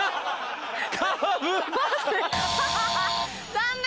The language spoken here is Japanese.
残念！